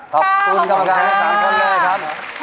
ขอบคุณกรรมการทั้ง๓คนเลยครับ